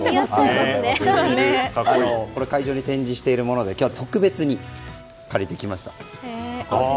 会場で展示しているもので今日は特別に借りてきました。